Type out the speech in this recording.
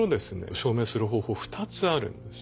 証明する方法２つあるんです。